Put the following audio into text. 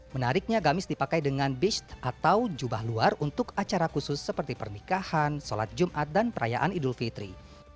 menariknya gamis dipakai dengan bis atau jubah luar untuk acara khusus seperti pernikahan sholat jumat dan perayaan idul fitri